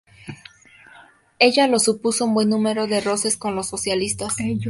Ello le supuso un buen número de roces con los socialistas.